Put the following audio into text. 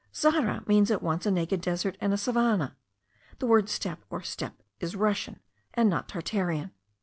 Zahra means at once a naked desert and a savannah. The word steppe, or step, is Russian, and not Tartarian.